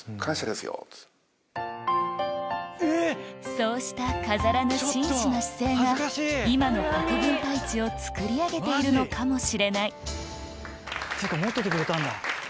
そうした飾らぬ真摯な姿勢が今の国分太一をつくり上げているのかもしれないっていうか持っててくれたんだ。